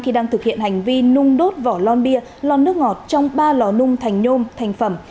khi đang thực hiện hành vi nung đốt vỏ lon bia lon nước ngọt trong ba lò nung thành nhôm thành phẩm